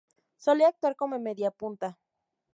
Solía actuar como mediapunta.